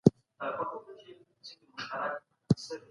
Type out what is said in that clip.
چېري د نویو پُلونو د جوړولو اړتیا زیاته ده؟